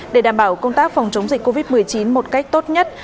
để đảm bảo công tác phòng chống dịch covid một mươi chín một cách tốt nhất